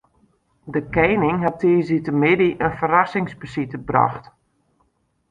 De kening hat tiisdeitemiddei in ferrassingsbesite brocht.